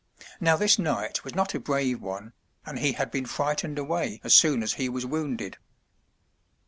Now this knight was not a brave one, and he had been frightened away as soon as he was wounded.